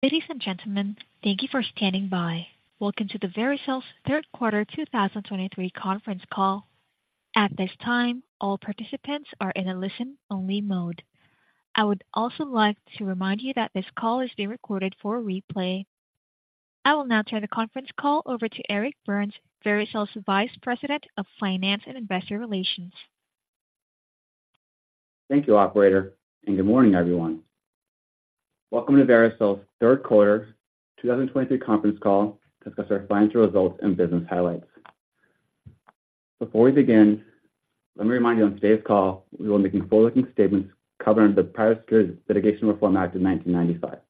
Ladies and gentlemen, thank you for standing by. Welcome to the Vericel's third quarter 2023 conference call. At this time, all participants are in a listen-only mode. I would also like to remind you that this call is being recorded for replay. I will now turn the conference call over to Eric Burns, Vericel's Vice President of Finance and Investor Relations. Thank you, operator, and good morning, everyone. Welcome to Vericel's third quarter 2023 conference call to discuss our financial results and business highlights. Before we begin, let me remind you, on today's call, we will be making forward-looking statements covering the Private Securities Litigation Reform Act of 1995.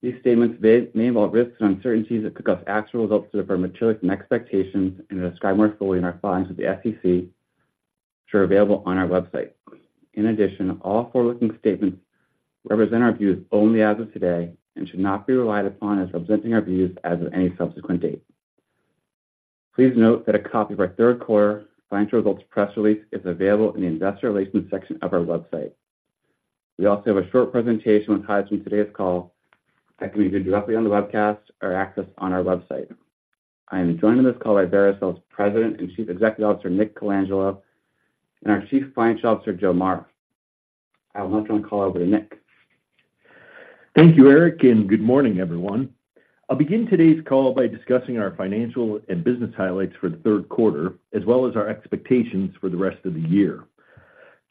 These statements may, may involve risks and uncertainties that could cause actual results to differ materially from expectations and are described more fully in our filings with the SEC, which are available on our website. In addition, all forward-looking statements represent our views only as of today and should not be relied upon as representing our views as of any subsequent date. Please note that a copy of our third quarter financial results press release is available in the investor relations section of our website. We also have a short presentation with highlights from today's call that can be viewed directly on the webcast or accessed on our website. I am joined on this call by Vericel's President and Chief Executive Officer, Nick Colangelo, and our Chief Financial Officer, Joe Mara. I will now turn the call over to Nick. Thank you, Eric, and good morning, everyone. I'll begin today's call by discussing our financial and business highlights for the third quarter, as well as our expectations for the rest of the year.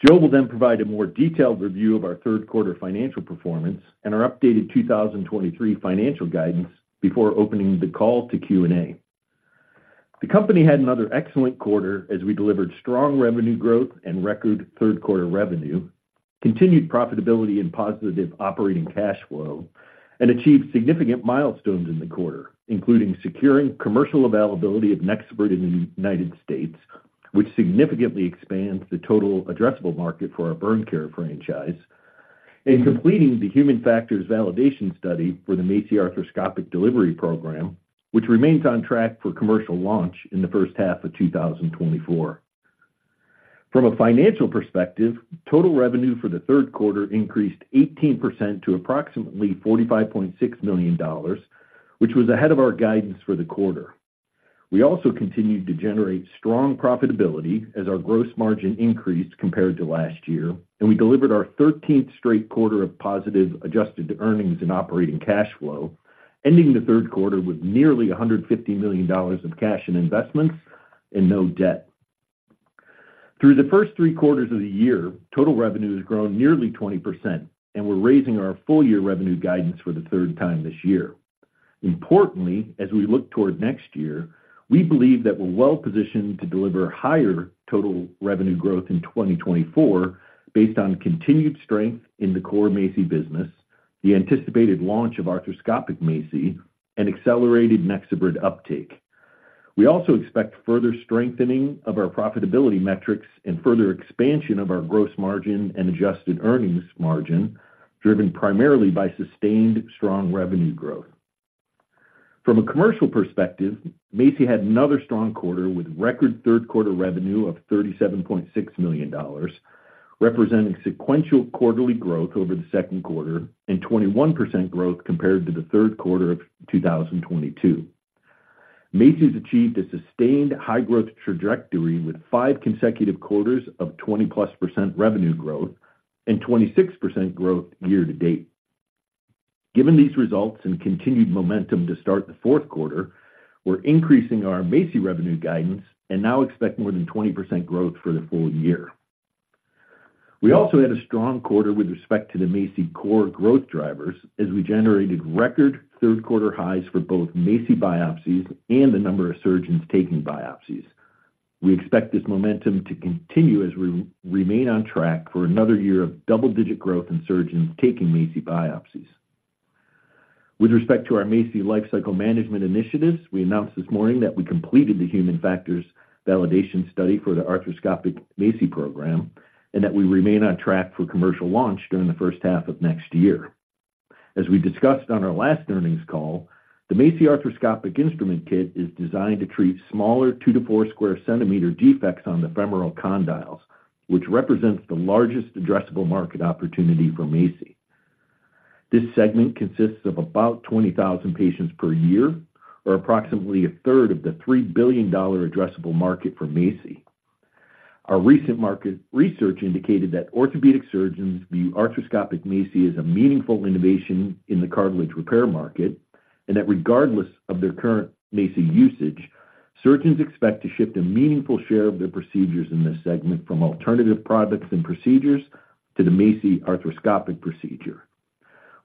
Joe will then provide a more detailed review of our third quarter financial performance and our updated 2023 financial guidance before opening the call to Q&A. The company had another excellent quarter as we delivered strong revenue growth and record third quarter revenue, continued profitability and positive operating cash flow, and achieved significant milestones in the quarter, including securing commercial availability of NexoBrid in the United States, which significantly expands the total addressable market for our burn care franchise, and completing the human factors validation study for the MACI Arthroscopic Delivery Program, which remains on track for commercial launch in the first half of 2024. From a financial perspective, total revenue for the third quarter increased 18% to approximately $45.6 million, which was ahead of our guidance for the quarter. We also continued to generate strong profitability as our gross margin increased compared to last year, and we delivered our 13th straight quarter of positive, adjusted earnings and operating cash flow, ending the third quarter with nearly $150 million of cash and investments and no debt. Through the first three quarters of the year, total revenue has grown nearly 20%, and we're raising our full-year revenue guidance for the third time this year. Importantly, as we look toward next year, we believe that we're well positioned to deliver higher total revenue growth in 2024, based on continued strength in the core MACI business, the anticipated launch of arthroscopic MACI, and accelerated NexoBrid uptake. We also expect further strengthening of our profitability metrics and further expansion of our gross margin and adjusted earnings margin, driven primarily by sustained strong revenue growth. From a commercial perspective, MACI had another strong quarter with record third quarter revenue of $37.6 million, representing sequential quarterly growth over the second quarter and 21% growth compared to the third quarter of 2022. MACI's achieved a sustained high growth trajectory with 5 consecutive quarters of 20+% revenue growth and 26% growth year to date. Given these results and continued momentum to start the fourth quarter, we're increasing our MACI revenue guidance and now expect more than 20% growth for the full year. We also had a strong quarter with respect to the MACI core growth drivers, as we generated record third quarter highs for both MACI biopsies and the number of surgeons taking biopsies. We expect this momentum to continue as we remain on track for another year of double-digit growth in surgeons taking MACI biopsies. With respect to our MACI lifecycle management initiatives, we announced this morning that we completed the human factors validation study for the arthroscopic MACI program and that we remain on track for commercial launch during the first half of next year. As we discussed on our last earnings call, the MACI arthroscopic instrument kit is designed to treat smaller 2-4 square centimeter defects on the femoral condyles, which represents the largest addressable market opportunity for MACI. This segment consists of about 20,000 patients per year or approximately a third of the $3 billion addressable market for MACI. Our recent market research indicated that orthopedic surgeons view arthroscopic MACI as a meaningful innovation in the cartilage repair market, and that regardless of their current MACI usage, surgeons expect to shift a meaningful share of their procedures in this segment from alternative products and procedures to the MACI arthroscopic procedure.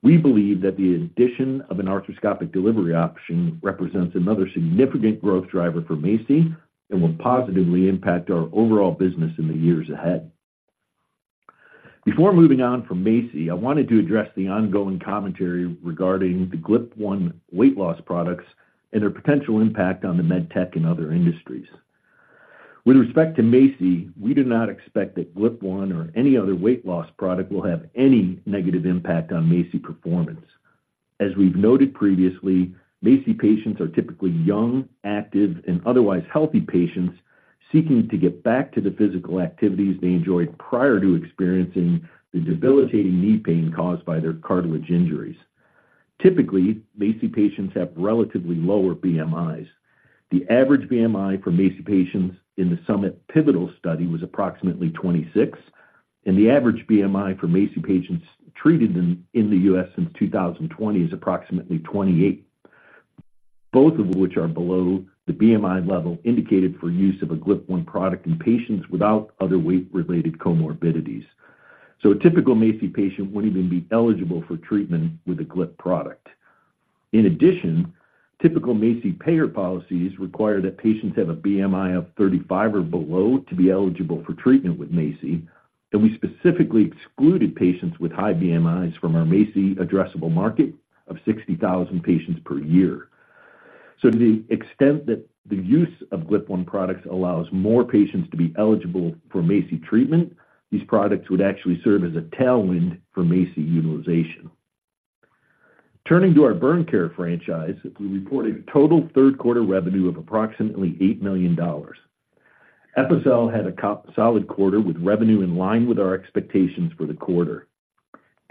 We believe that the addition of an arthroscopic delivery option represents another significant growth driver for MACI and will positively impact our overall business in the years ahead. Before moving on from MACI, I wanted to address the ongoing commentary regarding the GLP-1 weight loss products and their potential impact on the medtech and other industries. With respect to MACI, we do not expect that GLP-1 or any other weight loss product will have any negative impact on MACI performance. As we've noted previously, MACI patients are typically young, active, and otherwise healthy patients seeking to get back to the physical activities they enjoyed prior to experiencing the debilitating knee pain caused by their cartilage injuries. Typically, MACI patients have relatively lower BMIs. The average BMI for MACI patients in the SUMMIT pivotal study was approximately 26, and the average BMI for MACI patients treated in the U.S. since 2020 is approximately 28, both of which are below the BMI level indicated for use of a GLP-1 product in patients without other weight-related comorbidities. So a typical MACI patient wouldn't even be eligible for treatment with a GLP-1 product. In addition, typical MACI payer policies require that patients have a BMI of 35 or below to be eligible for treatment with MACI, and we specifically excluded patients with high BMIs from our MACI addressable market of 60,000 patients per year. So to the extent that the use of GLP-1 products allows more patients to be eligible for MACI treatment, these products would actually serve as a tailwind for MACI utilization. Turning to our burn care franchise, we reported total third quarter revenue of approximately $8 million. Epicel had a solid quarter, with revenue in line with our expectations for the quarter.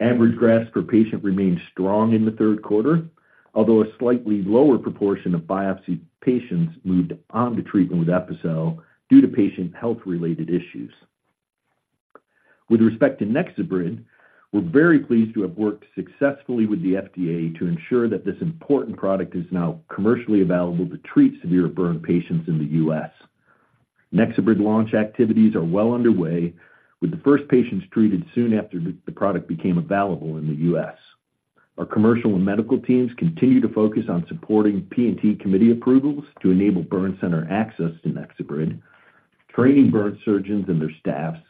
Average grafts per patient remained strong in the third quarter, although a slightly lower proportion of biopsy patients moved on to treatment with Epicel due to patient health-related issues. With respect to NexoBrid, we're very pleased to have worked successfully with the FDA to ensure that this important product is now commercially available to treat severe burn patients in the U.S. NexoBrid launch activities are well underway, with the first patients treated soon after the product became available in the U.S. Our commercial and medical teams continue to focus on supporting P&T committee approvals to enable burn center access to NexoBrid, training burn surgeons and their staffs,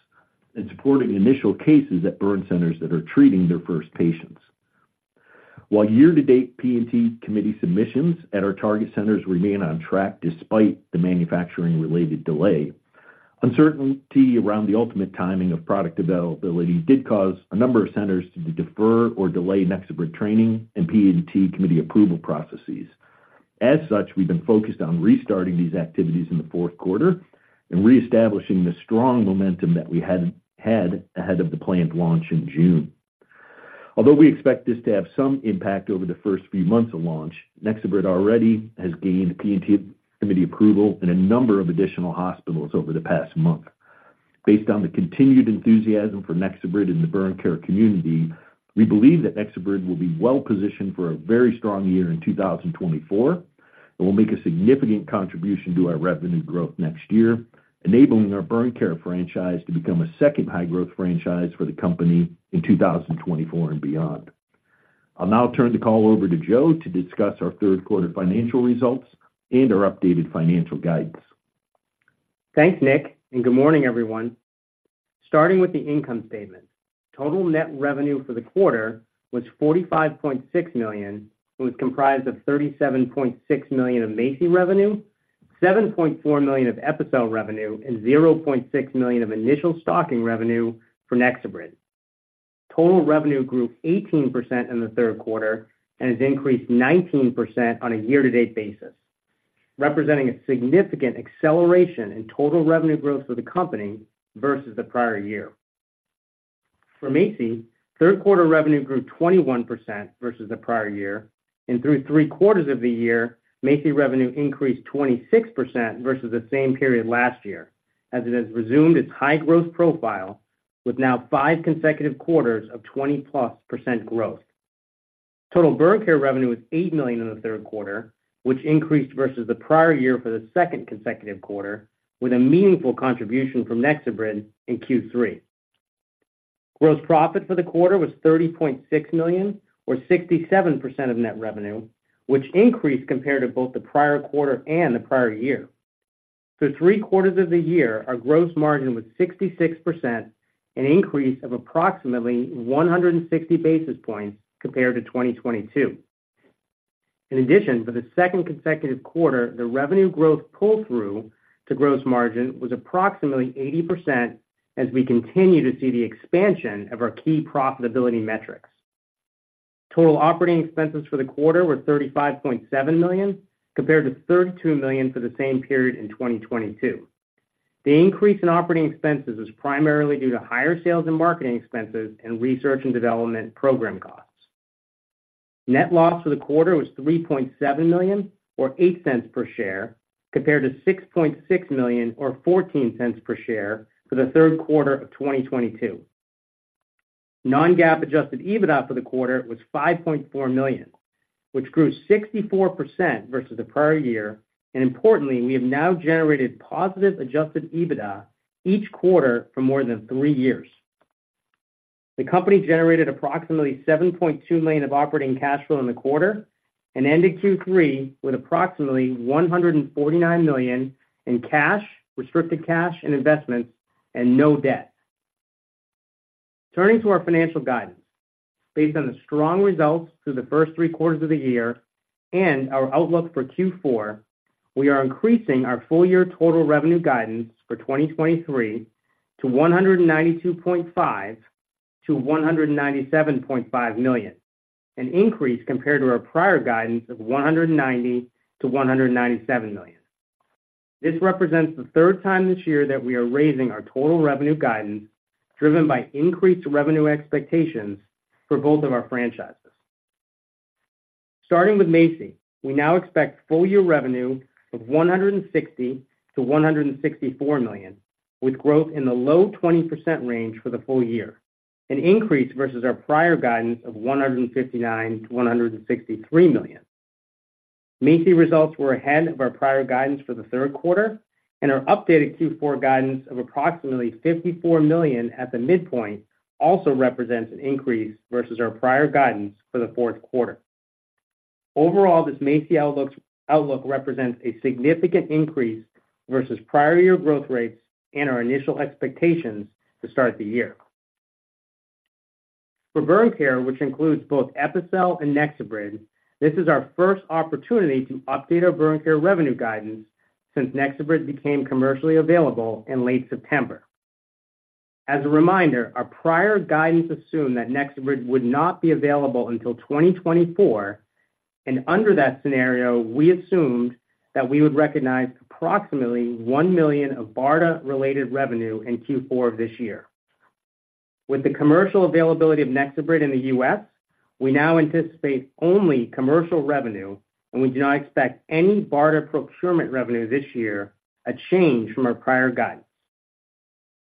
and supporting initial cases at burn centers that are treating their first patients. While year-to-date P&T committee submissions at our target centers remain on track despite the manufacturing-related delay, uncertainty around the ultimate timing of product availability did cause a number of centers to defer or delay NexoBrid training and P&T committee approval processes. As such, we've been focused on restarting these activities in the fourth quarter and reestablishing the strong momentum that we had had ahead of the planned launch in June. Although we expect this to have some impact over the first few months of launch, NexoBrid already has gained P&T committee approval in a number of additional hospitals over the past month. Based on the continued enthusiasm for NexoBrid in the burn care community, we believe that NexoBrid will be well positioned for a very strong year in 2024, and will make a significant contribution to our revenue growth next year, enabling our burn care franchise to become a second high-growth franchise for the company in 2024 and beyond. I'll now turn the call over to Joe to discuss our third quarter financial results and our updated financial guidance. Thanks, Nick, and good morning, everyone. Starting with the income statement. Total net revenue for the quarter was $45.6 million, and was comprised of $37.6 million of MACI revenue, $7.4 million of Epicel revenue, and $0.6 million of initial stocking revenue for NexoBrid. Total revenue grew 18% in the third quarter and has increased 19% on a year-to-date basis, representing a significant acceleration in total revenue growth for the company versus the prior year. For MACI, third quarter revenue grew 21% versus the prior year, and through three quarters of the year, MACI revenue increased 26% versus the same period last year, as it has resumed its high-growth profile with now five consecutive quarters of 20%+ growth. Total burn care revenue was $8 million in the third quarter, which increased versus the prior year for the second consecutive quarter, with a meaningful contribution from NexoBrid in Q3. Gross profit for the quarter was $30.6 million, or 67% of net revenue, which increased compared to both the prior quarter and the prior year. For three quarters of the year, our gross margin was 66%, an increase of approximately 160 basis points compared to 2022. In addition, for the second consecutive quarter, the revenue growth pull-through to gross margin was approximately 80% as we continue to see the expansion of our key profitability metrics. Total operating expenses for the quarter were $35.7 million, compared to $32 million for the same period in 2022. The increase in operating expenses was primarily due to higher sales and marketing expenses and research and development program costs. Net loss for the quarter was $3.7 million, or $0.08 per share, compared to $6.6 million, or $0.14 per share, for the third quarter of 2022. Non-GAAP adjusted EBITDA for the quarter was $5.4 million, which grew 64% versus the prior year, and importantly, we have now generated positive adjusted EBITDA each quarter for more than 3 years. The company generated approximately $7.2 million of operating cash flow in the quarter and ended Q3 with approximately $149 million in cash, restricted cash, and investments, and no debt. Turning to our financial guidance. Based on the strong results through the first three quarters of the year and our outlook for Q4, we are increasing our full year total revenue guidance for 2023 to $192.5 million-$197.5 million, an increase compared to our prior guidance of $190 million-$197 million. This represents the third time this year that we are raising our total revenue guidance, driven by increased revenue expectations for both of our franchises. Starting with MACI, we now expect full-year revenue of $160 million-$164 million, with growth in the low 20% range for the full year, an increase versus our prior guidance of $159 million-$163 million. MACI results were ahead of our prior guidance for the third quarter, and our updated Q4 guidance of approximately $54 million at the midpoint also represents an increase versus our prior guidance for the fourth quarter. Overall, this MACI outlook represents a significant increase versus prior year growth rates and our initial expectations to start the year. For Burn Care, which includes both Epicel and NexoBrid, this is our first opportunity to update our Burn Care revenue guidance since NexoBrid became commercially available in late September. As a reminder, our prior guidance assumed that NexoBrid would not be available until 2024, and under that scenario, we assumed that we would recognize approximately $1 million of BARDA-related revenue in Q4 of this year. With the commercial availability of NexoBrid in the U.S., we now anticipate only commercial revenue, and we do not expect any BARDA procurement revenue this year, a change from our prior guidance.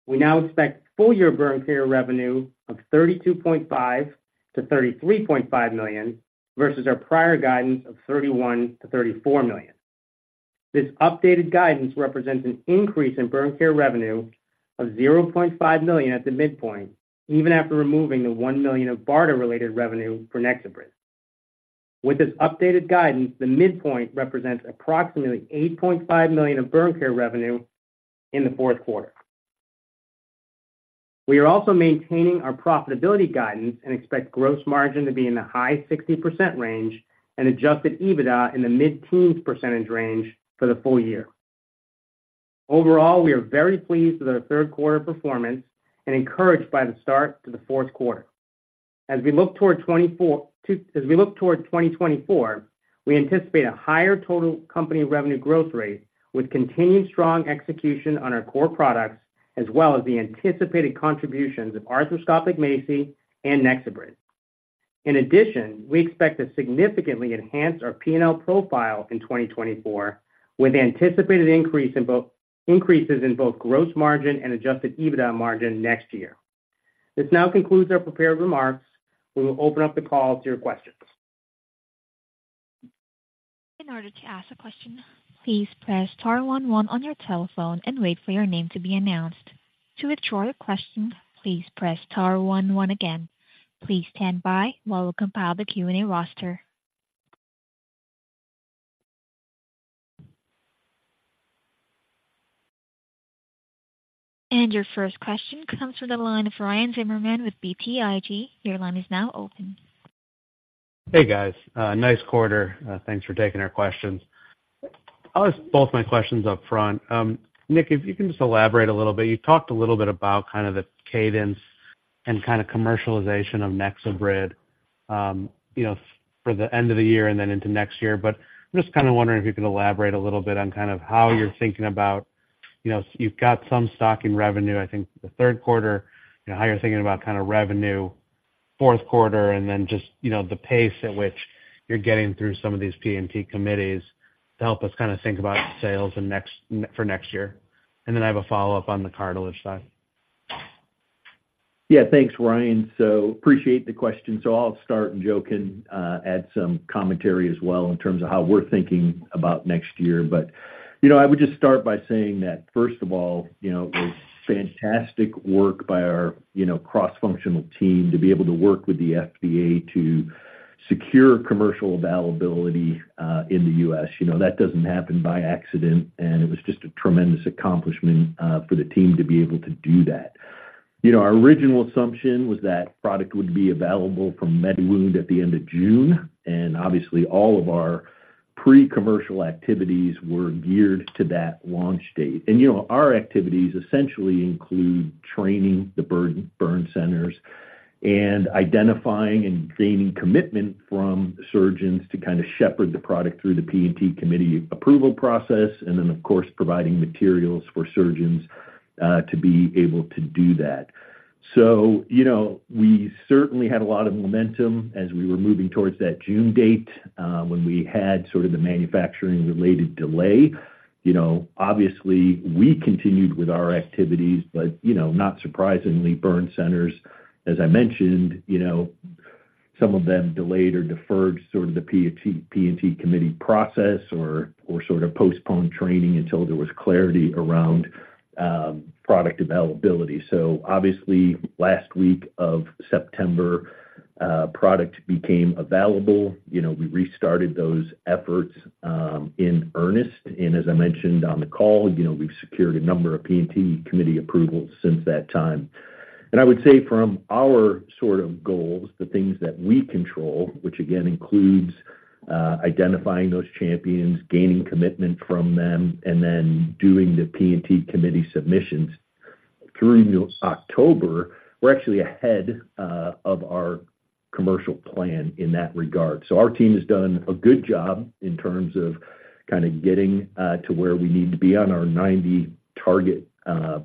We now expect full-year Burn Care revenue of $32.5 million-$33.5 million, versus our prior guidance of $31 million-$34 million. This updated guidance represents an increase in Burn Care revenue of $0.5 million at the midpoint, even after removing the $1 million of BARDA-related revenue for NexoBrid. With this updated guidance, the midpoint represents approximately $8.5 million of Burn Care revenue in the fourth quarter. We are also maintaining our profitability guidance and expect gross margin to be in the high 60% range and adjusted EBITDA in the mid-teens % range for the full year. Overall, we are very pleased with our third quarter performance and encouraged by the start to the fourth quarter. As we look toward 2024, we anticipate a higher total company revenue growth rate, with continued strong execution on our core products, as well as the anticipated contributions of arthroscopic MACI and NexoBrid. In addition, we expect to significantly enhance our P&L profile in 2024, with anticipated increases in both gross margin and adjusted EBITDA margin next year. This now concludes our prepared remarks. We will open up the call to your questions. In order to ask a question, please press star one, one on your telephone and wait for your name to be announced. To withdraw your question, please press star one, one again. Please stand by while we compile the Q&A roster. Your first question comes from the line of Ryan Zimmerman with BTIG. Your line is now open. Hey, guys, nice quarter. Thanks for taking our questions. I'll ask both my questions up front. Nick, if you can just elaborate a little bit. You talked a little bit about kind of the cadence and kind of commercialization of NexoBrid, you know, for the end of the year and then into next year. But I'm just kind of wondering if you could elaborate a little bit on kind of how you're thinking about, you know, you've got some stocking revenue, I think, the third quarter, and how you're thinking about kind of revenue, fourth quarter, and then just, you know, the pace at which you're getting through some of these P&T committees to help us kind of think about sales in next year. And then I have a follow-up on the Cartilage side. Yeah. Thanks, Ryan. So appreciate the question. So I'll start, and Joe can add some commentary as well in terms of how we're thinking about next year. But, you know, I would just start by saying that, first of all, you know, it was fantastic work by our, you know, cross-functional team to be able to work with the FDA to secure commercial availability in the U.S. You know, that doesn't happen by accident, and it was just a tremendous accomplishment for the team to be able to do that. You know, our original assumption was that product would be available from MediWound at the end of June, and obviously, all of our pre-commercial activities were geared to that launch date. You know, our activities essentially include training the burn centers and identifying and gaining commitment from surgeons to kind of shepherd the product through the P&T committee approval process, and then, of course, providing materials for surgeons to be able to do that. So, you know, we certainly had a lot of momentum as we were moving towards that June date, when we had sort of the manufacturing-related delay. You know, obviously, we continued with our activities, but, you know, not surprisingly, burn centers, as I mentioned, you know, some of them delayed or deferred sort of the P&T committee process or sort of postponed training until there was clarity around product availability. So obviously, last week of September, product became available. You know, we restarted those efforts in earnest. As I mentioned on the call, you know, we've secured a number of P&T committee approvals since that time. I would say from our sort of goals, the things that we control, which again includes identifying those champions, gaining commitment from them, and then doing the P&T committee submissions... through October, we're actually ahead of our commercial plan in that regard. So our team has done a good job in terms of kind of getting to where we need to be on our 90 target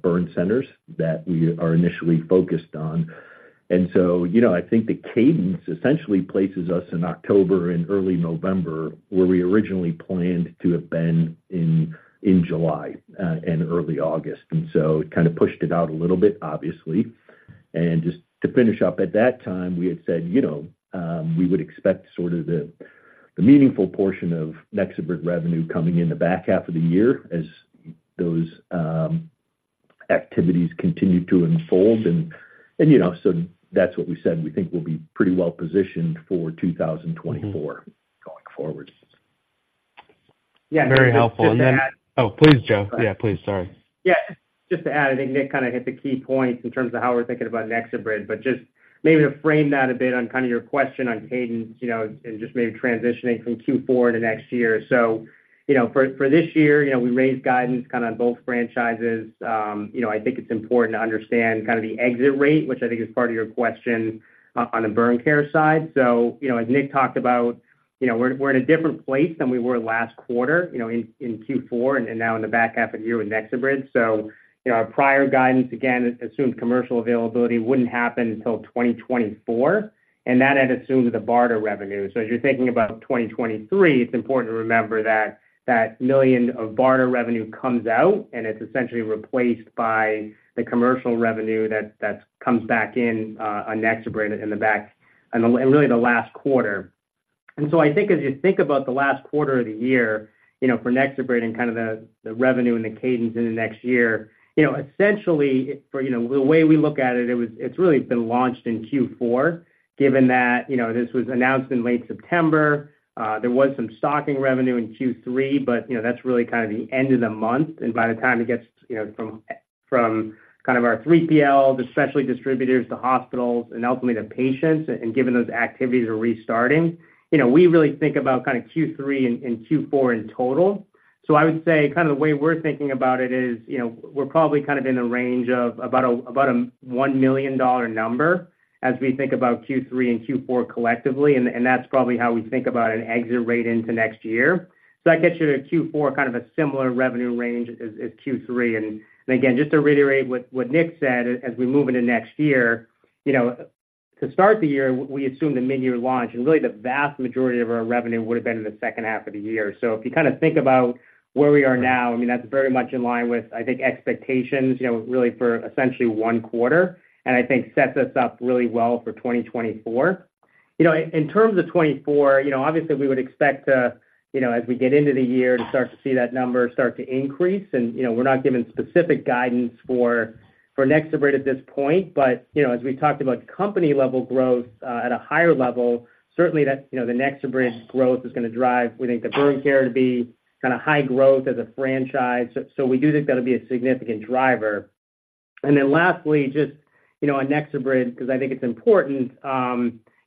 burn centers that we are initially focused on. And so, you know, I think the cadence essentially places us in October and early November, where we originally planned to have been in July and early August. And so it kind of pushed it out a little bit, obviously. Just to finish up, at that time, we had said, you know, we would expect sort of the meaningful portion of NexoBrid revenue coming in the back half of the year as those activities continue to unfold. And you know, so that's what we said. We think we'll be pretty well positioned for 2024 going forward. Yeah. Very helpful. And then- Just to add- Oh, please, Joe. Yeah, please. Sorry. Yeah, just to add, I think Nick kind of hit the key points in terms of how we're thinking about NexoBrid, but just maybe to frame that a bit on kind of your question on cadence, you know, and just maybe transitioning from Q4 into next year. So, you know, for this year, you know, we raised guidance kind of on both franchises. You know, I think it's important to understand kind of the exit rate, which I think is part of your question on the burn care side. So, you know, as Nick talked about, you know, we're in a different place than we were last quarter, you know, in Q4 and now in the back half of the year with NexoBrid. So, you know, our prior guidance, again, assumed commercial availability wouldn't happen until 2024, and that had assumed the BARDA revenue. So as you're thinking about 2023, it's important to remember that $1 million of BARDA revenue comes out, and it's essentially replaced by the commercial revenue that comes back in on NexoBrid in the back half and really the last quarter. And so I think as you think about the last quarter of the year, you know, for NexoBrid and kind of the revenue and the cadence into next year, you know, essentially, you know, the way we look at it, it's really been launched in Q4, given that, you know, this was announced in late September. There was some stocking revenue in Q3, but, you know, that's really kind of the end of the month. By the time it gets, you know, from kind of our 3PLs, specialty distributors to hospitals and ultimately to patients, and given those activities are restarting, you know, we really think about kind of Q3 and Q4 in total. I would say kind of the way we're thinking about it is, you know, we're probably kind of in a range of about a $1 million number as we think about Q3 and Q4 collectively, and that's probably how we think about an exit rate into next year. That gets you to Q4, kind of a similar revenue range as Q3. Again, just to reiterate what Nick said, as we move into next year, you know, to start the year, we assume the mid-year launch, and really, the vast majority of our revenue would have been in the second half of the year. So if you kind of think about where we are now, I mean, that's very much in line with, I think, expectations, you know, really for essentially one quarter, and I think sets us up really well for 2024. You know, in terms of 2024, you know, obviously, we would expect to, you know, as we get into the year, to start to see that number start to increase. You know, we're not giving specific guidance for NexoBrid at this point, but you know, as we talked about company-level growth at a higher level, certainly that's you know, the NexoBrid growth is going to drive, we think, the burn care to be kind of high growth as a franchise. So we do think that'll be a significant driver. And then lastly, just you know, on NexoBrid, because I think it's important,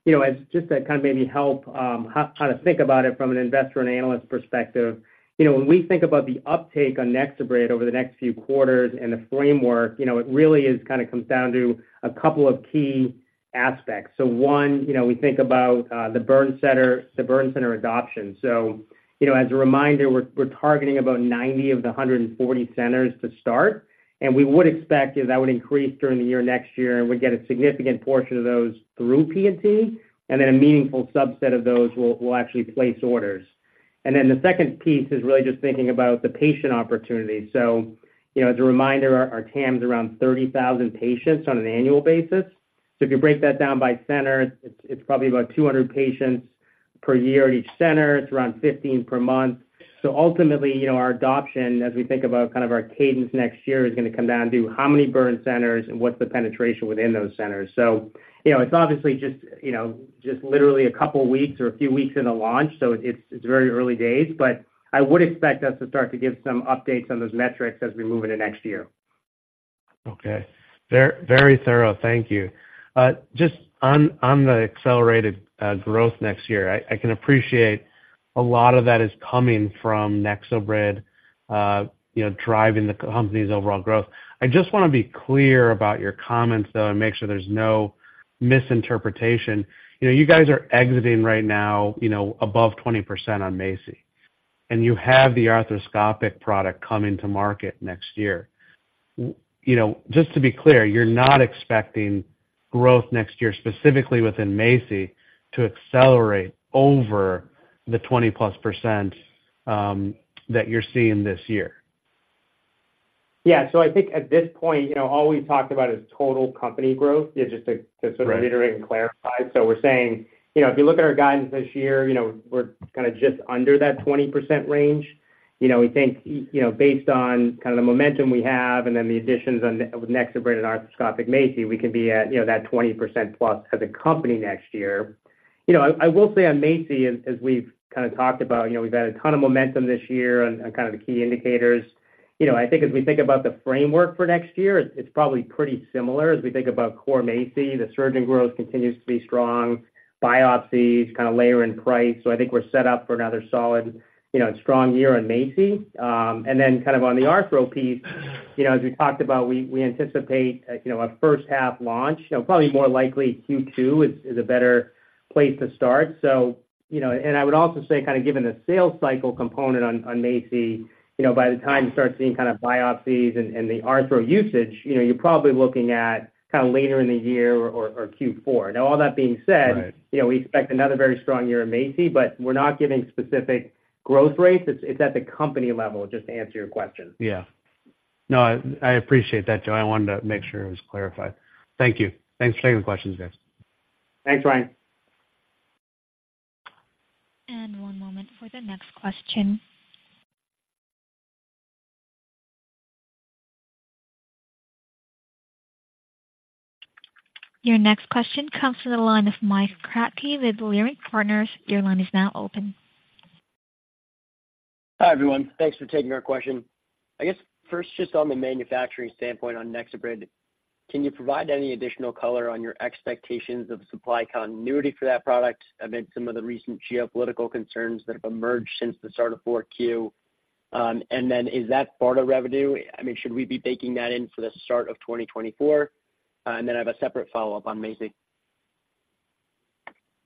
you know, as just to kind of maybe help how to think about it from an investor and analyst perspective. You know, when we think about the uptake on NexoBrid over the next few quarters and the framework, you know, it really is kind of comes down to a couple of key aspects. So one, you know, we think about the burn center adoption. You know, as a reminder, we're targeting about 90 of the 140 centers to start, and we would expect that would increase during the year next year, and we'd get a significant portion of those through P&T, and then a meaningful subset of those will actually place orders. The second piece is really just thinking about the patient opportunity. You know, as a reminder, our TAM is around 30,000 patients on an annual basis. If you break that down by center, it's probably about 200 patients per year at each center. It's around 15 per month. Ultimately, you know, our adoption, as we think about kind of our cadence next year, is going to come down to how many burn centers and what's the penetration within those centers. So, you know, it's obviously just, you know, just literally a couple of weeks or a few weeks in the launch, so it's very early days, but I would expect us to start to give some updates on those metrics as we move into next year. Okay. Very, very thorough. Thank you. Just on the accelerated growth next year, I can appreciate a lot of that is coming from NexoBrid, you know, driving the company's overall growth. I just want to be clear about your comments, though, and make sure there's no misinterpretation. You know, you guys are exiting right now, you know, above 20% on MACI, and you have the arthroscopic product coming to market next year. You know, just to be clear, you're not expecting growth next year, specifically within MACI, to accelerate over the 20%+ that you're seeing this year? Yeah. So I think at this point, you know, all we've talked about is total company growth, just to, to sort of- Right... reiterate and clarify. So we're saying, you know, if you look at our guidance this year, you know, we're kind of just under that 20% range. You know, we think, you know, based on kind of the momentum we have and then the additions on with NexoBrid and arthroscopic MACI, we can be at, you know, that 20%+ as a company next year. You know, I will say on MACI, as we've kind of talked about, you know, we've had a ton of momentum this year on kind of the key indicators. You know, I think as we think about the framework for next year, it's probably pretty similar. As we think about core MACI, the surgeon growth continues to be strong.... biopsies kind of layer in price. So I think we're set up for another solid, you know, strong year on MACI. And then kind of on the arthro piece, you know, as we talked about, we anticipate, you know, a first half launch, you know, probably more likely Q2 is a better place to start. So, you know, and I would also say kind of given the sales cycle component on MACI, you know, by the time you start seeing kind of biopsies and the arthro usage, you know, you're probably looking at kind of later in the year or Q4. Now, all that being said- Right. you know, we expect another very strong year in MACI, but we're not giving specific growth rates. It's, it's at the company level, just to answer your question. Yeah. No, I, I appreciate that, Joe. I wanted to make sure it was clarified. Thank you. Thanks for taking the questions, guys. Thanks, Ryan. One moment for the next question. Your next question comes from the line of Mike Kratky with Leerink Partners. Your line is now open. Hi, everyone. Thanks for taking our question. I guess first, just on the manufacturing standpoint, on NexoBrid, can you provide any additional color on your expectations of supply continuity for that product amid some of the recent geopolitical concerns that have emerged since the start of 4Q? And then is that part of revenue? I mean, should we be baking that in for the start of 2024? And then I have a separate follow-up on MACI.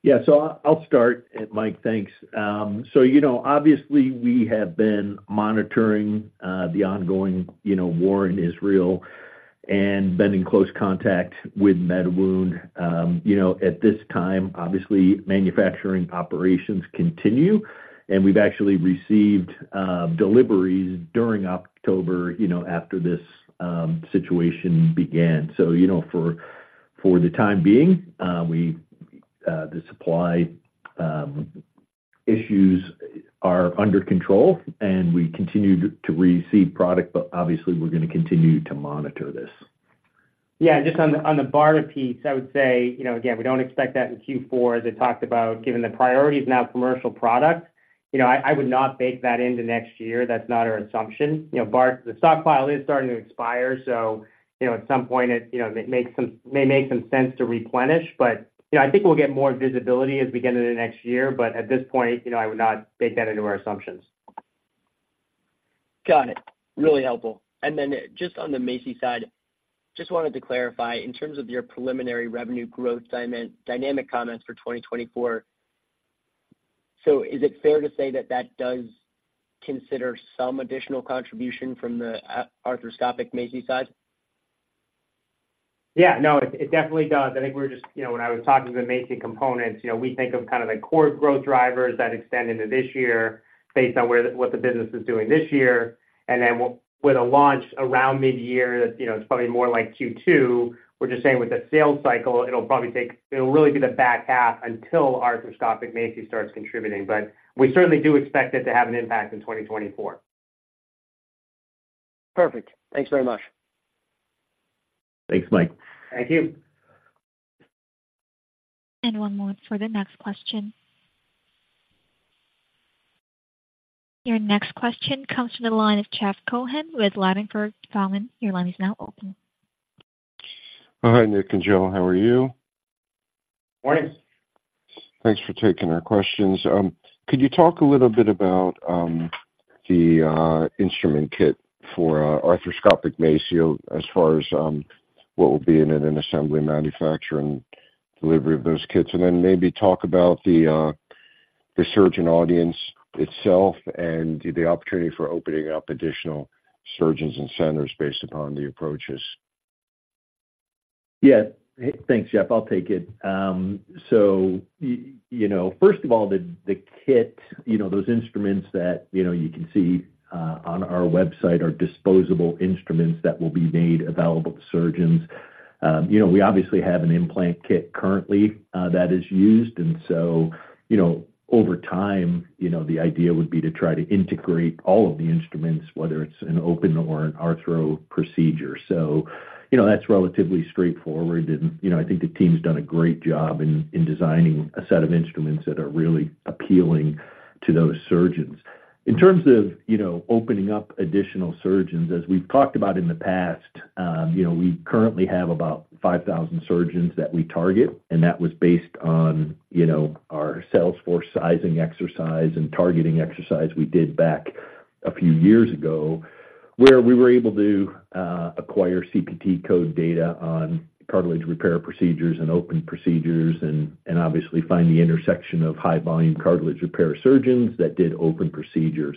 Yeah, so I'll start, Mike. Thanks. So you know, obviously, we have been monitoring the ongoing, you know, war in Israel and been in close contact with MediWound. You know, at this time, obviously, manufacturing operations continue, and we've actually received deliveries during October, you know, after this situation began. So, you know, for the time being, we the supply issues are under control, and we continue to receive product, but obviously, we're going to continue to monitor this. Yeah, just on the BARDA piece, I would say, you know, again, we don't expect that in Q4, as I talked about, given the priorities now commercial products, you know, I would not bake that into next year. That's not our assumption. You know, BARDA, the stockpile is starting to expire, so, you know, at some point it may make some sense to replenish. But, you know, I think we'll get more visibility as we get into the next year, but at this point, you know, I would not bake that into our assumptions. Got it. Really helpful. And then just on the MACI side, just wanted to clarify, in terms of your preliminary revenue growth dynamic comments for 2024, so is it fair to say that that does consider some additional contribution from the arthroscopic MACI side? Yeah, no, it definitely does. I think we're just... You know, when I was talking to the MACI components, you know, we think of kind of the core growth drivers that extend into this year, based on where the, what the business is doing this year. And then with a launch around mid-year, you know, it's probably more like Q2. We're just saying with the sales cycle, it'll probably take, it'll really be the back half until arthroscopic MACI starts contributing, but we certainly do expect it to have an impact in 2024. Perfect. Thanks very much. Thanks, Mike. Thank you. One moment for the next question. Your next question comes from the line of Jeff Cohen with Ladenburg Thalmann. Your line is now open. Hi, Nick and Joe. How are you? Morning. Thanks for taking our questions. Could you talk a little bit about the instrument kit for arthroscopic MACI, as far as what will be in it, and assembly, manufacturing, delivery of those kits? And then maybe talk about the surgeon audience itself and the opportunity for opening up additional surgeons and centers based upon the approaches. Yeah. Thanks, Jeff. I'll take it. So, you know, first of all, the kit, you know, those instruments that, you know, you can see on our website are disposable instruments that will be made available to surgeons. You know, we obviously have an implant kit currently that is used, and so, you know, over time, you know, the idea would be to try to integrate all of the instruments, whether it's an open or an arthro procedure. So, you know, that's relatively straightforward, and, you know, I think the team's done a great job in designing a set of instruments that are really appealing to those surgeons. In terms of, you know, opening up additional surgeons, as we've talked about in the past, you know, we currently have about 5,000 surgeons that we target, and that was based on, you know, our sales force sizing exercise and targeting exercise we did back a few years ago, where we were able to acquire CPT code data on cartilage repair procedures and open procedures, and obviously find the intersection of high-volume cartilage repair surgeons that did open procedures.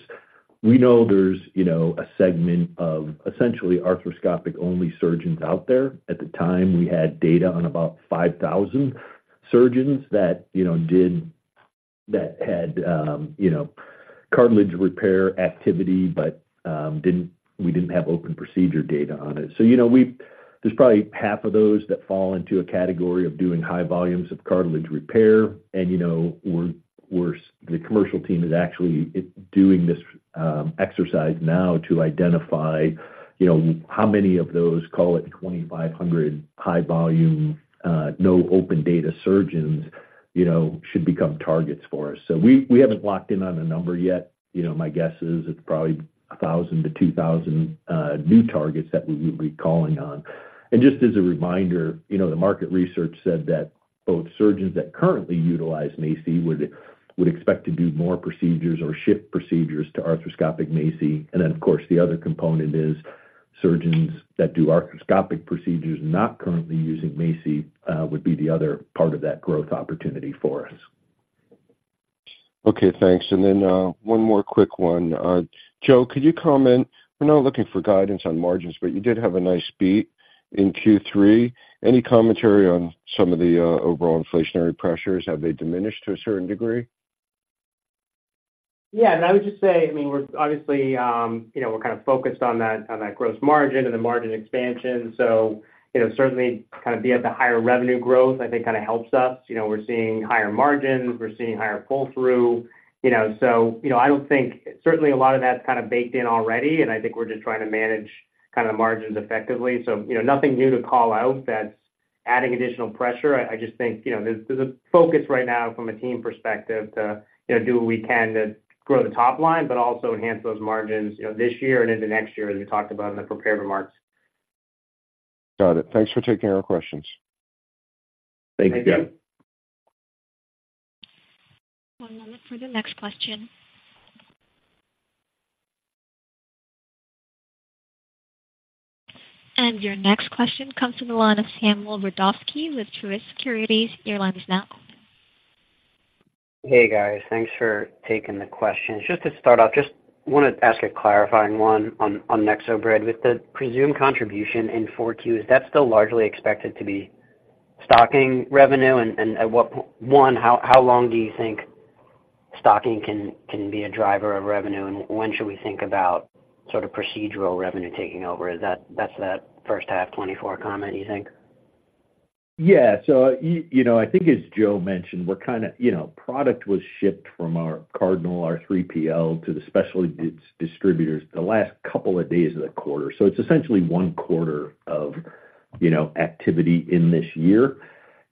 We know there's, you know, a segment of essentially arthroscopic-only surgeons out there. At the time, we had data on about 5,000 surgeons that, you know, that had, you know, cartilage repair activity, but we didn't have open procedure data on it. So, you know, we, there's probably half of those that fall into a category of doing high volumes of cartilage repair, and, you know, we're the commercial team is actually doing this exercise now to identify, you know, how many of those, call it 2,500 high volume no open data surgeons should become targets for us. So we haven't locked in on a number yet. You know, my guess is it's probably 1,000-2,000 new targets that we would be calling on. Just as a reminder, you know, the market research said that both surgeons that currently utilize MACI would expect to do more procedures or shift procedures to arthroscopic MACI. And then, of course, the other component is surgeons that do arthroscopic procedures, not currently using MACI, would be the other part of that growth opportunity for us. Okay, thanks. And then, one more quick one. Joe, could you comment, we're not looking for guidance on margins, but you did have a nice beat in Q3. Any commentary on some of the overall inflationary pressures? Have they diminished to a certain degree? Yeah, and I would just say, I mean, we're obviously, you know, we're kind of focused on that, on that gross margin and the margin expansion. So you know, certainly kind of be at the higher revenue growth, I think kind of helps us. You know, we're seeing higher margins, we're seeing higher pull-through, you know. So, you know, I don't think... Certainly a lot of that's kind of baked in already, and I think we're just trying to manage kind of the margins effectively. So, you know, nothing new to call out that's adding additional pressure. I just think, you know, there's a focus right now from a team perspective to, you know, do what we can to grow the top line, but also enhance those margins, you know, this year and into next year, as we talked about in the prepared remarks. Got it. Thanks for taking our questions. Thank you. Thank you. One moment for the next question. Your next question comes from the line of Samuel Brodovsky with Truist Securities. Your line is now open. Hey, guys. Thanks for taking the question. Just to start off, just want to ask a clarifying one on NexoBrid. With the presumed contribution in 4Q, is that still largely expected to be stocking revenue? And at what- one, how long do you think stocking can be a driver of revenue, and when should we think about sort of procedural revenue taking over? Is that- that's that first half 2024 comment, you think? Yeah. So, you know, I think as Joe mentioned, we're kind of, you know, product was shipped from our Cardinal, our 3PL, to the specialty distributors the last couple of days of the quarter. So it's essentially one quarter of, you know, activity in this year.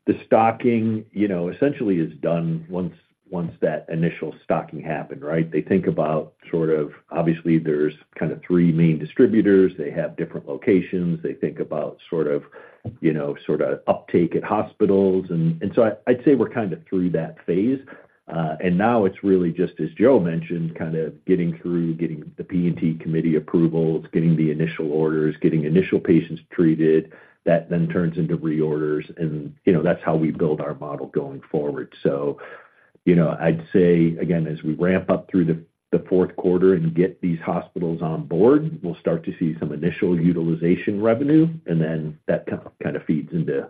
The stocking, you know, essentially is done once, once that initial stocking happened, right? They think about sort of, obviously, there's kind of three main distributors. They have different locations. They think about sort of, you know, sort of uptake at hospitals. And, and so I'd say we're kind of through that phase, and now it's really just, as Joe mentioned, kind of getting through, getting the P&T committee approvals, getting the initial orders, getting initial patients treated. That then turns into reorders, and, you know, that's how we build our model going forward. So, you know, I'd say, again, as we ramp up through the fourth quarter and get these hospitals on board, we'll start to see some initial utilization revenue, and then that kind of feeds into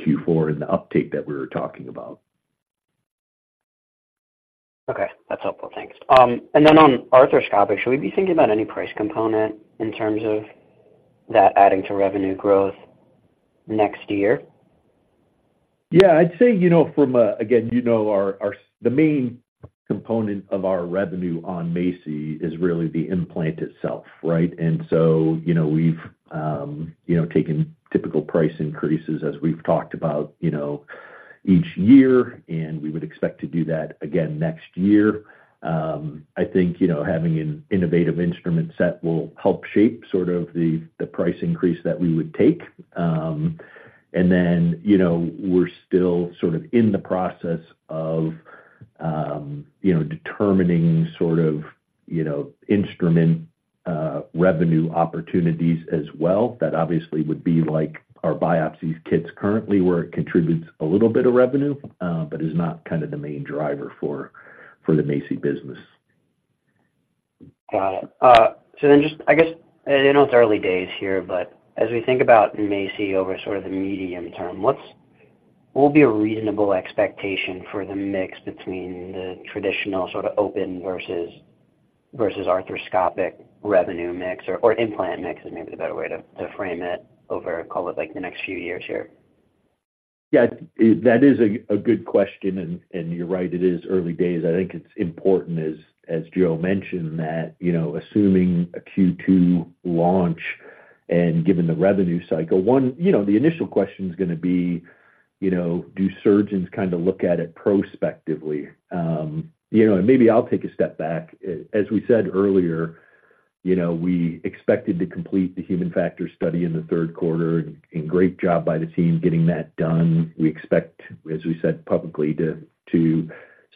Q4 and the uptake that we were talking about. Okay, that's helpful. Thanks. And then on arthroscopic, should we be thinking about any price component in terms of that adding to revenue growth next year? Yeah, I'd say, you know, from a... Again, you know, our, the main component of our revenue on MACI is really the implant itself, right? And so, you know, we've, you know, taken typical price increases as we've talked about, you know, each year, and we would expect to do that again next year. I think, you know, having an innovative instrument set will help shape sort of the price increase that we would take. And then, you know, we're still sort of in the process of, you know, determining sort of, you know, instrument revenue opportunities as well. That obviously would be like our biopsy kits currently, where it contributes a little bit of revenue, but is not kind of the main driver for the MACI business. Got it. So then just, I guess, I know it's early days here, but as we think about MACI over sort of the medium term, what's—will be a reasonable expectation for the mix between the traditional sort of open versus arthroscopic revenue mix or implant mix is maybe the better way to frame it over, call it, like, the next few years here? Yeah, that is a good question, and you're right, it is early days. I think it's important, as Joe mentioned, that, you know, assuming a Q2 launch and given the revenue cycle, one, you know, the initial question is gonna be, you know, do surgeons kind of look at it prospectively? You know, and maybe I'll take a step back. As we said earlier, you know, we expected to complete the human factors study in the third quarter, and great job by the team getting that done. We expect, as we said publicly, to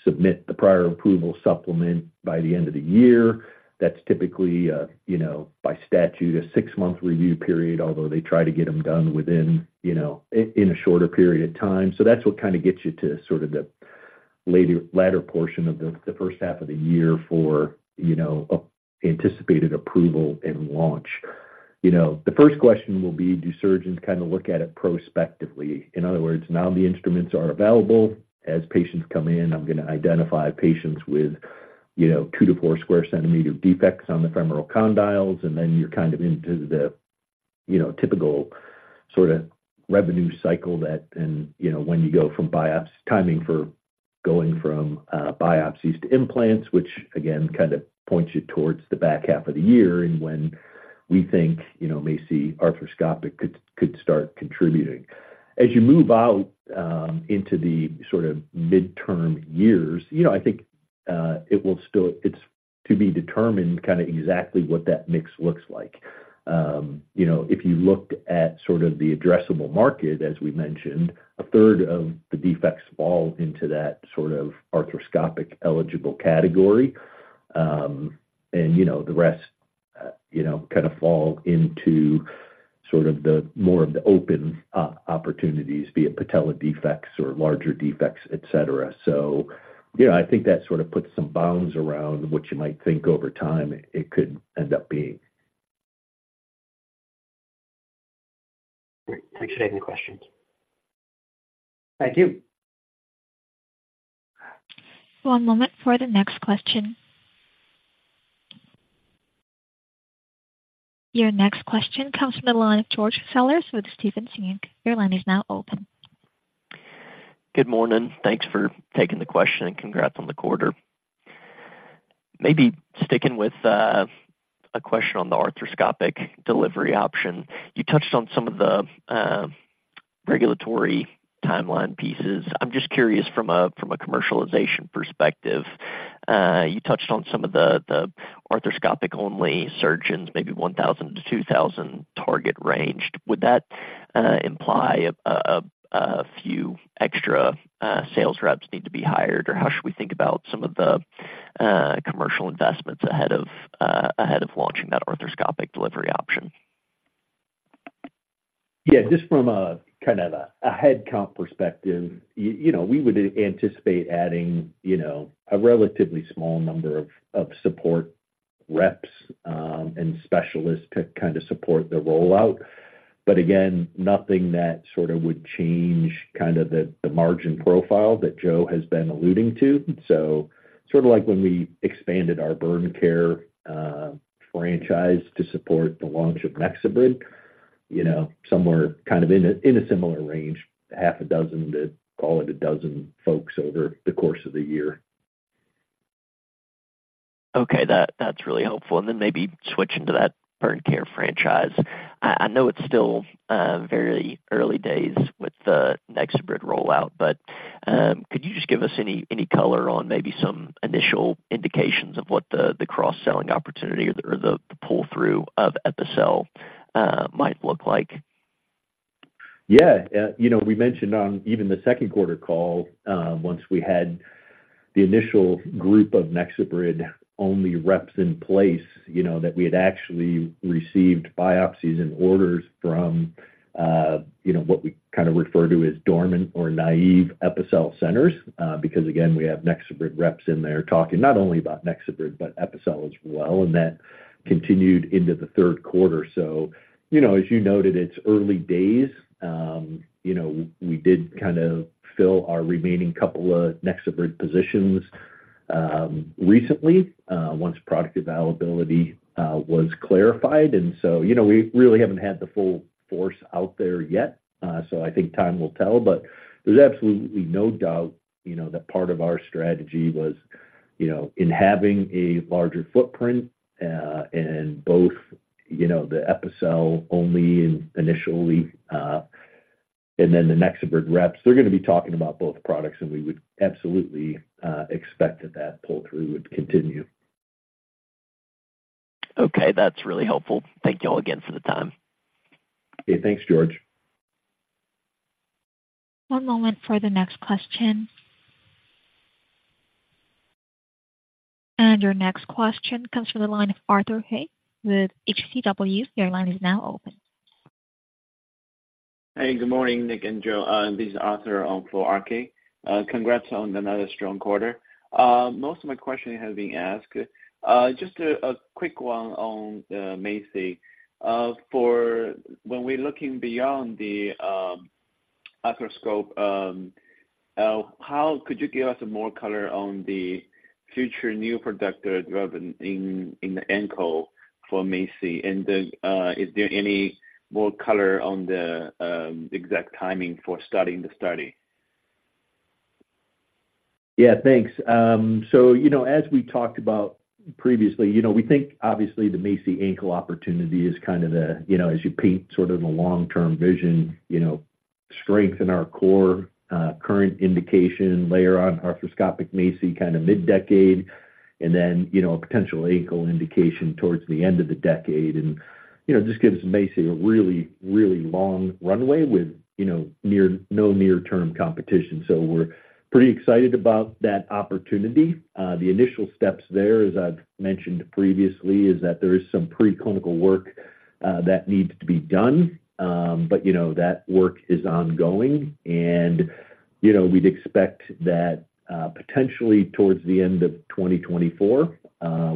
submit the Prior Approval Supplement by the end of the year. That's typically, you know, by statute, a 6-month review period, although they try to get them done within, you know, in a shorter period of time. So that's what kind of gets you to sort of the latter portion of the, the first half of the year for, you know, anticipated approval and launch. You know, the first question will be, do surgeons kind of look at it prospectively? In other words, now the instruments are available. As patients come in, I'm going to identify patients with, you know, 2-4 square centimeter defects on the femoral condyles, and then you're kind of into the, you know, typical sort of revenue cycle that and, you know, when you go from biopsy, timing for... going from biopsies to implants, which again, kind of points you towards the back half of the year, and when we think, you know, MACI Arthroscopic could, could start contributing. As you move out, into the sort of midterm years, you know, I think, it will still, it's to be determined kind of exactly what that mix looks like. You know, if you looked at sort of the addressable market, as we mentioned, a third of the defects fall into that sort of arthroscopic-eligible category. And, you know, the rest, you know, kind of fall into sort of the more of the open, opportunities, be it patella defects or larger defects, et cetera. So, you know, I think that sort of puts some bounds around what you might think over time it could end up being. Great. Thanks for taking the question. Thank you. One moment for the next question. Your next question comes from the line of George Sellers with Stephens Inc. Your line is now open. Good morning. Thanks for taking the question, and congrats on the quarter. Maybe sticking with a question on the arthroscopic delivery option. You touched on some of the regulatory timeline pieces. I'm just curious from a commercialization perspective, you touched on some of the arthroscopic-only surgeons, maybe 1,000-2,000 target range. Would that imply a few extra sales reps need to be hired? Or how should we think about some of the commercial investments ahead of launching that arthroscopic delivery option? Yeah, just from a kind of headcount perspective, you know, we would anticipate adding you know, a relatively small number of support reps, and specialists to kind of support the rollout. But again, nothing that sort of would change kind of the margin profile that Joe has been alluding to. So sort of like when we expanded our BurnCare franchise to support the launch of NexoBrid, you know, somewhere in a similar range, 6-12 folks over the course of the year. Okay, that's really helpful. And then maybe switching to that BurnCare franchise. I know it's still very early days with the NexoBrid rollout, but could you just give us any color on maybe some initial indications of what the cross-selling opportunity or the pull-through of Epicel might look like? Yeah. You know, we mentioned on even the second quarter call, once we had the initial group of NexoBrid-only reps in place, you know, that we had actually received biopsies and orders from, you know, what we kind of refer to as dormant or naive Epicel centers. Because, again, we have NexoBrid reps in there talking not only about NexoBrid, but Epicel as well, and that continued into the third quarter. So, you know, as you noted, it's early days. You know, we did kind of fill our remaining couple of NexoBrid positions, recently, once product availability was clarified. And so, you know, we really haven't had the full force out there yet, so I think time will tell. But there's absolutely no doubt, you know, that part of our strategy was, you know, in having a larger footprint, and both, you know, the Epicel only and initially, and then the NexoBrid reps, they're gonna be talking about both products, and we would absolutely, expect that that pull-through would continue. Okay, that's really helpful. Thank you all again for the time. Okay, thanks, George. One moment for the next question. Your next question comes from the line of Arthur He with H.C. Wainwright Your line is now open. Hey, good morning, Nick and Joe. This is Arthur on for RK. Congrats on another strong quarter. Most of my questions have been asked. Just a quick one on MACI. For when we're looking beyond the arthroscope, how could you give us more color on the future new product revenue in the ankle for MACI? And, is there any more color on the exact timing for starting the study? Yeah, thanks. So, you know, as we talked about previously, you know, we think obviously the MACI ankle opportunity is kind of the, you know, as you paint sort of the long-term vision, you know, strengthen our core, current indication, layer on arthroscopic MACI kind of mid-decade, and then, you know, a potential ankle indication towards the end of the decade. And, you know, just gives MACI a really, really long runway with, you know, no near-term competition. So we're pretty excited about that opportunity. The initial steps there, as I've mentioned previously, is that there is some preclinical work that needs to be done. But, you know, that work is ongoing, and, you know, we'd expect that, potentially towards the end of 2024,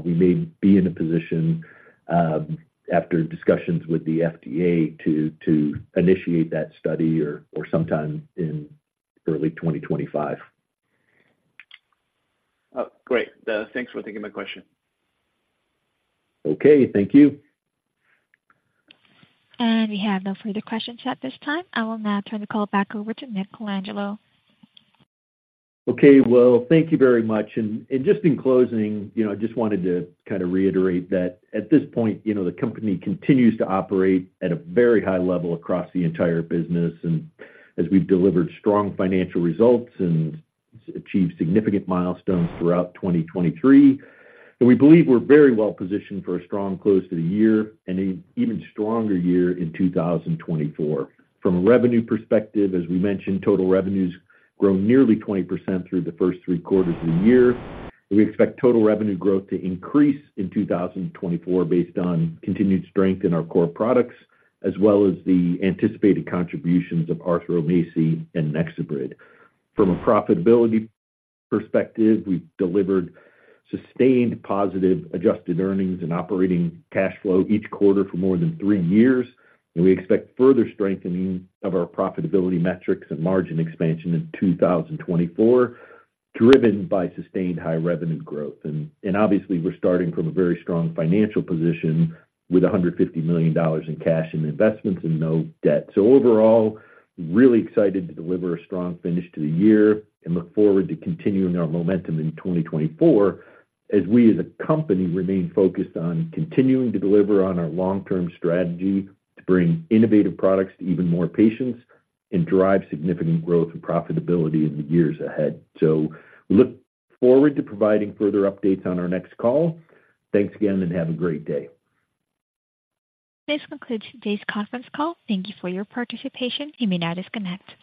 we may be in a position, after discussions with the FDA, to initiate that study or sometime in early 2025. Great. Thanks for taking my question. Okay, thank you. We have no further questions at this time. I will now turn the call back over to Nick Colangelo. Okay, well, thank you very much. And just in closing, you know, I just wanted to kind of reiterate that at this point, you know, the company continues to operate at a very high level across the entire business, and as we've delivered strong financial results and achieved significant milestones throughout 2023. And we believe we're very well positioned for a strong close to the year and an even stronger year in 2024. From a revenue perspective, as we mentioned, total revenue's grown nearly 20% through the first three quarters of the year. We expect total revenue growth to increase in 2024, based on continued strength in our core products, as well as the anticipated contributions of arthro MACI and NexoBrid. From a profitability perspective, we've delivered sustained positive adjusted earnings and operating cash flow each quarter for more than three years, and we expect further strengthening of our profitability metrics and margin expansion in 2024, driven by sustained high revenue growth. And obviously, we're starting from a very strong financial position with $150 million in cash and investments and no debt. So overall, really excited to deliver a strong finish to the year and look forward to continuing our momentum in 2024 as we as a company remain focused on continuing to deliver on our long-term strategy to bring innovative products to even more patients and drive significant growth and profitability in the years ahead. So look forward to providing further updates on our next call. Thanks again, and have a great day. This concludes today's conference call. Thank you for your participation. You may now disconnect.